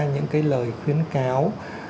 những cái lời khuyến cáo